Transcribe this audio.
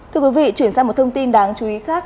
thưa quý vị chuyển sang một thông tin đáng chú ý khác